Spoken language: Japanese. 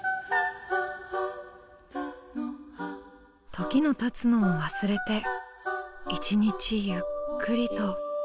時のたつのも忘れて一日ゆっくりと。